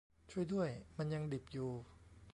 ช่วยด้วยมันยังดิบอยู่